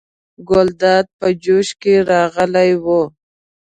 ګلداد په جوش کې راغلی و.